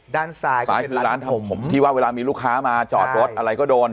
ด้านซ้ายซ้ายคือร้านทำผมที่ว่าเวลามีลูกค้ามาจอดรถอะไรก็โดน